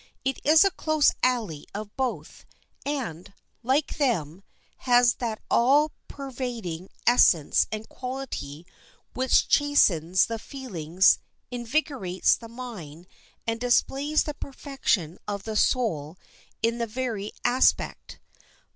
It is a close ally of both, and, like them, has that all pervading essence and quality which chastens the feelings, invigorates the mind, and displays the perfection of the soul in the very aspect.